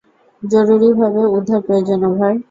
জরুরিভাবে উদ্ধার প্রয়োজন, ওভার।